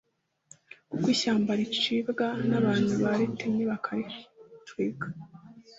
kuko ishyamba ricibwa n’abantu baritemye bakaritwika